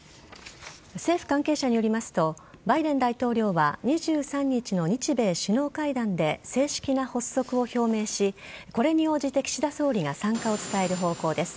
政府関係者によりますとバイデン大統領は２３日の日米首脳会談で正式な発足を表明しこれに応じて岸田総理が参加を伝える方向です。